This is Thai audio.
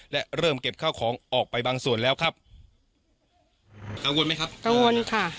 และเริ่มเก็บข้าวของออกไปบางส่วนแล้วครับกังวลไหมครับกังวลค่ะ